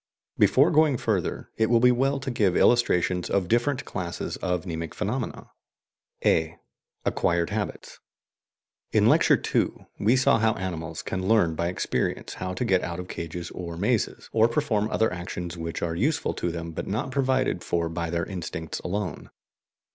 Before going further, it will be well to give illustrations of different classes of mnemic phenomena. (a) ACQUIRED HABITS. In Lecture II we saw how animals can learn by experience how to get out of cages or mazes, or perform other actions which are useful to them but not provided for by their instincts alone.